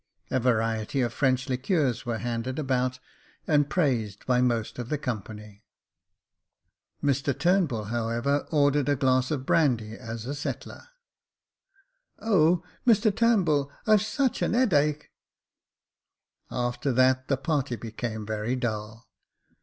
A variety of French liqueurs were handed about, and praised by most of the company. Mr Turnbull, however, ordered a glass of brandy, as a settler. " Oh ! Mr Turnbull, I've such an 'eadache !" After that the party became very dull.